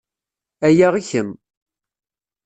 Aya i kemm.